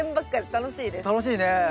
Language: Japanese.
楽しいね。